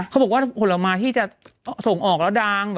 เขาบอกว่าผลไม้ที่จะส่งออกแล้วดัง